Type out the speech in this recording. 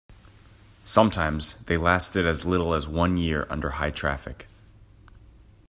Sometimes they lasted as little as one year under high traffic.